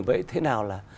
vậy thế nào là